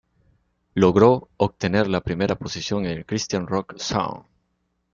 Logró obtener la primera posición en el Christian Rock Songs.